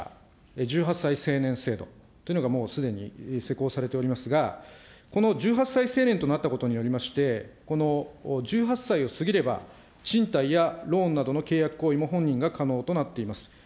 １８歳成年制度というのが、もうすでに施行されておりますが、この１８歳成年となったことによりまして、この１８歳を過ぎれば、賃貸やローンなどの契約行為も本人が可能となっています。